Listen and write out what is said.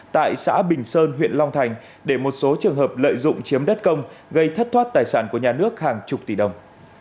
tại xã bình sơn huyện long thành để một số trường hợp lợi dụng chiếm đất công gây thất thoát tài sản của nhà nước hàng chục tỷ đồng